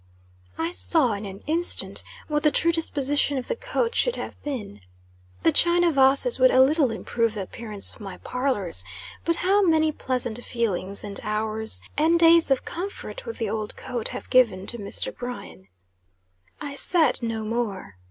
I saw, in an instant, what the true disposition of the coat should have been. The china vases would a little improve the appearance of my parlors; but how many pleasant feelings and hours and days of comfort, would the old coat have given to Mr. Bryan. I said no more.